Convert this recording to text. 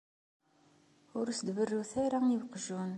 Ur as-d-berrut ara i weqjun.